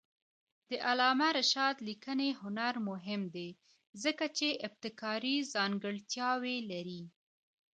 د علامه رشاد لیکنی هنر مهم دی ځکه چې ابتکاري ځانګړتیاوې لري.